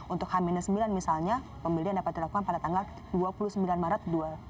untuk h sembilan misalnya pembelian dapat dilakukan pada tanggal dua puluh sembilan maret dua ribu dua puluh